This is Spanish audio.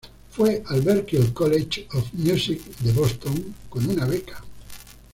Fue al Berklee College of Music de Boston con una beca.